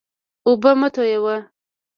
اوبه مه تویوه.